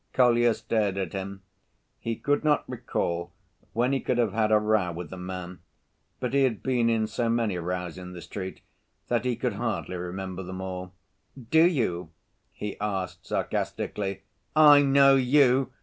Kolya stared at him. He could not recall when he could have had a row with the man. But he had been in so many rows in the street that he could hardly remember them all. "Do you?" he asked sarcastically. "I know you!